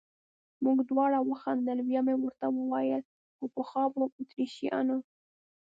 موږ دواړو وخندل، بیا مې ورته وویل: خو پخوا به اتریشیانو.